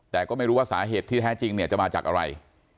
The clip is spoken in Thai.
แต่ก็ไม่รู้ว่าสาเหตุที่แท้จริงเนี่ยจะมาจากอะไร